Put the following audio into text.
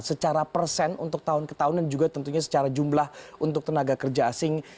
secara persen untuk tahun ke tahun dan juga tentunya secara jumlah untuk tenaga kerja asing